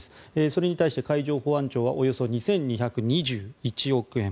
それに対して海上保安庁はおよそ２２２１億円。